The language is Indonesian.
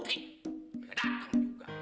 eh kedatang juga